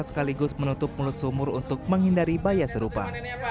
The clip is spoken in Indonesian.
sekaligus menutup mulut sumur untuk menghindari bahaya serupa